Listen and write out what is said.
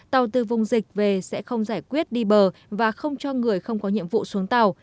tàu từ vùng dịch về sẽ không giải quyết đi bờ và không cho người không có nhiệm vụ xuống tàu